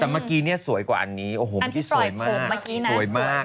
มักกี้สวยกว่านี้สวยมาก